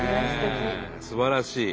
すばらしい！